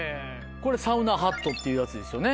これサウナハットっていうやつですよね。